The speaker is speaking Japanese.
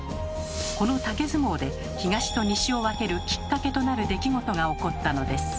この竹相撲で「東」と「西」を分けるきっかけとなる出来事が起こったのです。